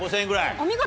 お見事。